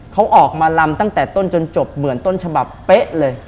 เขาออกมาลำตั้งแต่ต้นจนจบเหมือนต้นฉบับเป๊ะเลย